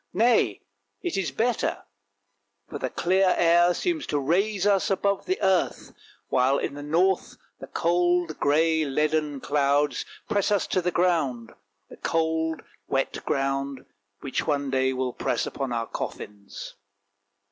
Nay, it is better, for the clear air seems to raise us above the earth, while in the north the cold, grey, leaden clouds press us to the ground — the cold, wet ground which one day will press upon our coffins.